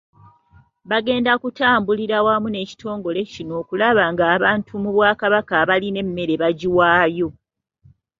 Bagenda kutambulira wamu n’ekitongole kino okulaba ng’abantu mu Bwakabaka abalina emmere bagiwaayo .